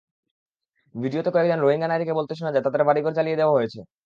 ভিডিওতে কয়েকজন রোহিঙ্গা নারীকে বলতে শোনা যায়, তাঁদের বাড়িঘর জ্বালিয়ে দেওয়া হয়েছে।